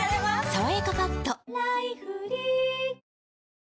「さわやかパッド」